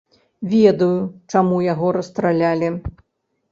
Ведаю, чаму яго расстралялі.